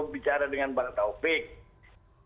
bicara dengan bang taufik